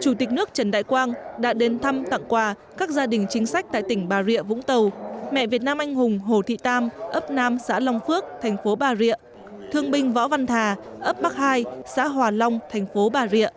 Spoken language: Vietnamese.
chủ tịch nước trần đại quang đã đến thăm tặng quà các gia đình chính sách tại tỉnh bà rịa vũng tàu mẹ việt nam anh hùng hồ thị tam ấp nam xã long phước thành phố bà rịa thương binh võ văn thà ấp bắc hai xã hòa long thành phố bà rịa